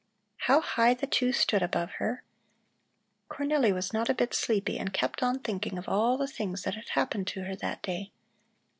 How high the two stood above her! Cornelli was not a bit sleepy and kept on thinking of all the things that had happened to her that day.